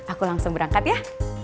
aku langsung berangkat ya